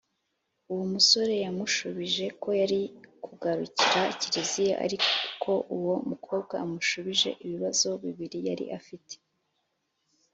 Uwo musore yamushubije ko yari kugarukira kiliziya ari uko uwo mukobwa amushubije ibibazo bibiri yari afite